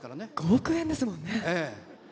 ５億円ですもんね。